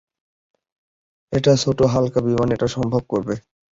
একটা ছোট, হালকা বিমান এটা সম্ভব করবে।